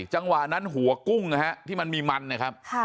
จังหวะนั้นหัวกุ้งนะฮะที่มันมีมันนะครับ